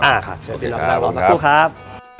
อ่าค่ะโชคดีครับ